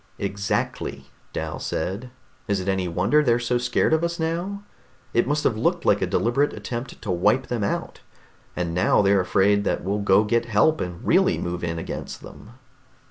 "Exactly," Dal said. "Is it any wonder they're so scared of us now? It must have looked like a deliberate attempt to wipe them out, and now they're afraid that we'll go get help and really move in against them."